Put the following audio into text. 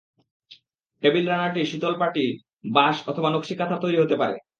Table রানারটি শীতল পাটি, বাঁশ অথবা নকশি কাঁথার তৈরি হতে পারে।